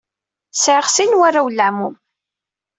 Sɛiɣ sin n warraw n leɛmum.